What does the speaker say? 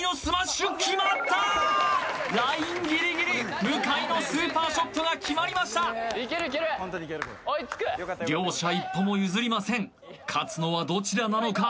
ラインギリギリ向井のスーパーショットが決まりました両者一歩も譲りません勝つのはどちらなのか？